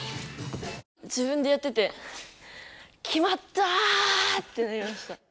自分でやってて「きまった！」ってなりました。